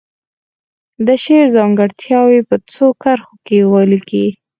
د شعر ځانګړتیاوې په څو کرښو کې ولیکي.